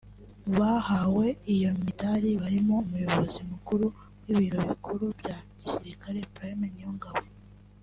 Mu bahawe iyo midari barimo umuyobozi mukuru w’ibiro bikuru bya Gisirikare Prime Niyongabo